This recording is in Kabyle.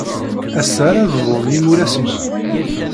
Ass-a ara bdun yimuras-inu.